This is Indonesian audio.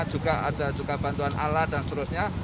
juga ada juga bantuan alat dan seterusnya